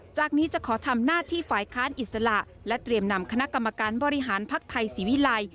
จากนี้จะขอทำหน้าที่ฝ่ายค้านอิสระและเตรียมนำคณะกรรมการบริหารภักดิ์ไทยศรีวิลัย